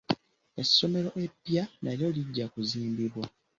Essomero eppya nalyo lijja kuzimbibwa.